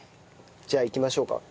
じゃあいきましょうか。